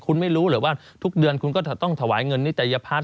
คุณไม่รู้เหรอว่าทุกเดือนคุณก็จะต้องถวายเงินนิตยพัฒน